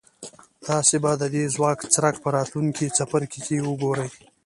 تاسې به د دې ځواک څرک په راتلونکي څپرکي کې وګورئ.